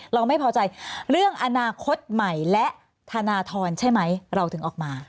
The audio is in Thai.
เราไม่พอใจเรื่องอนาคตใหม่และธนทรใช่ไหมเราถึงออกมา